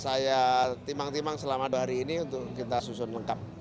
saya timang timang selama dua hari ini untuk kita susun lengkap